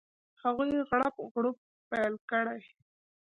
هغوی غړپ غړوپ پیل کړي.